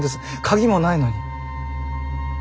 鍵もないのに。